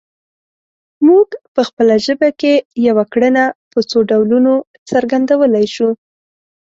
موږ په خپله ژبه کې یوه کړنه په څو ډولونو څرګندولی شو